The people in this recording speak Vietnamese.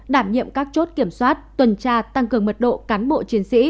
đảm nhiệm các chốt kiểm soát tuần tra tăng cường mật độ cán bộ chiến sĩ